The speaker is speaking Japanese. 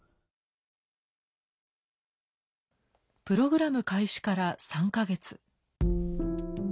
プログラム開始から３か月。